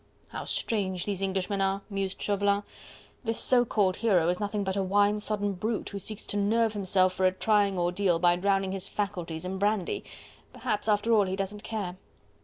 how strange these Englishmen are!" mused Chauvelin; "this so called hero is nothing but a wine sodden brute, who seeks to nerve himself for a trying ordeal by drowning his faculties in brandy... Perhaps after all he doesn't care!..."